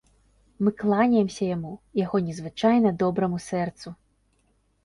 Мы кланяемся яму, яго незвычайна добраму сэрцу.